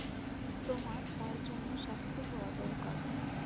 তোমার তার জন্যে শাস্তি হওয়া দরকার।